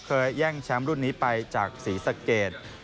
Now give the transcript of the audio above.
แย่งแชมป์รุ่นนี้ไปจากศรีสะเกด